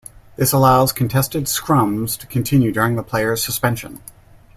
This allows contested scrums to continue during the player's suspension.